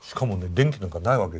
電気なんかないわけでしょ。